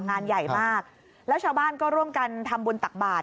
งานใหญ่มากแล้วชาวบ้านก็ร่วมกันทำบุญตักบาท